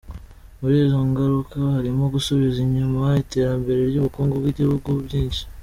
Muri izo ngauruka harimo gusubiza inyuma iterambere ry’ubukungu bw’ibigugu byinshi.